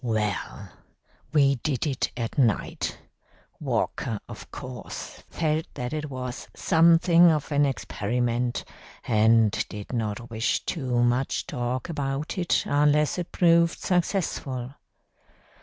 "Well, we did it at night. Walker, of course, felt that it was something of an experiment, and did not wish too much talk about it unless it proved successful.